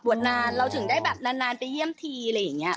นานเราถึงได้แบบนานไปเยี่ยมทีอะไรอย่างนี้